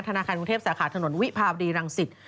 ธนาคารกรุงเทพสาขาถนนวิภาวดีรังสิต